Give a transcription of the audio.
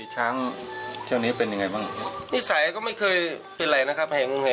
ช้างช่วงนี้เป็นยังไงบ้างนิสัยก็ไม่เคยเป็นไรนะครับแห่ง